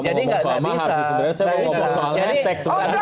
oh udah gak hari ini harus diomongin pak